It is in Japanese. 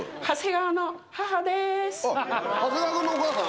あっ長谷川君のお母さん。